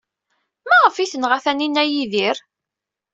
Maɣef ay tenɣa Taninna Yidir?